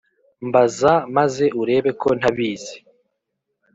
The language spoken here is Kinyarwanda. Mbaza maze urebe ko ntabizi